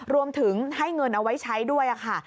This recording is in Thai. รวมถึงให้เงินเอาไว้ใช้ด้วยค่ะ